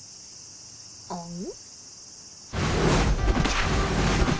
あん！？